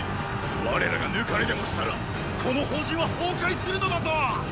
我らが抜かれでもしたらこの方陣は崩壊するのだぞ！